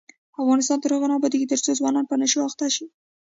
افغانستان تر هغو نه ابادیږي، ترڅو ځوانان په نشو اخته وي.